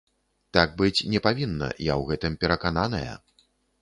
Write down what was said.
Так быць не павінна, я ў гэтым перакананая.